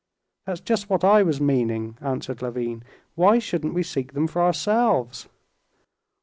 "That's just what I was meaning," answered Levin. "Why shouldn't we seek them for ourselves?"